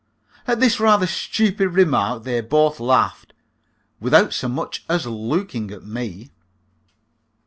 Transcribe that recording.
At this rather stupid remark they both laughed, without so much as looking at me.